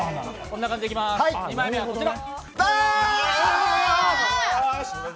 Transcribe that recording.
２枚目はこちら。